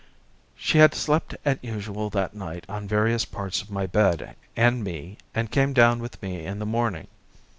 She had slept as usual that night on various parts of my bed and me, and came down with me in the morning.